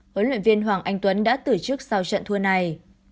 huấn luyện viên hoàng anh tuấn đã tử chức sau trận thua này